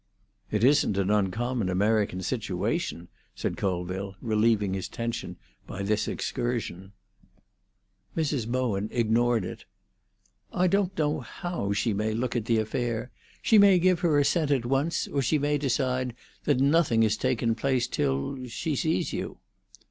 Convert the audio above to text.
"It isn't an uncommon American situation," said Colville, relieving his tension by this excursion. Mrs. Bowen ignored it. "I don't know how she may look at the affair. She may give her assent at once, or she may decide that nothing has taken place till—she sees you."